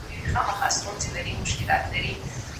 که د اصلاح امکان نه وو، نو هغه محل دي پريږدي.